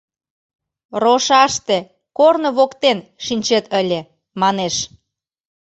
Рошаште, корно воктен, шинчет ыле, манеш...